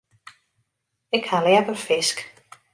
Ik ha leaver fisk.